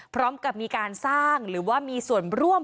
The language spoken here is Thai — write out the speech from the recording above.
พร้อมกับมีการสร้างหรือว่ามีส่วนร่วม